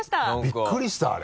びっくりしたあれ。